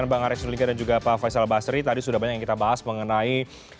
saya masih bersama dengan elector aja juga pak faisal basri tadi sudah banyak kita bahas mengenai